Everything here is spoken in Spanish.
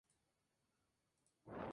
Pertenece a la localidad de Los Mártires.